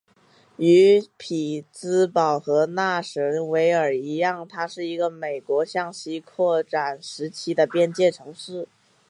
与匹兹堡和纳什维尔一样它是一个美国向西扩展时期的边界城市。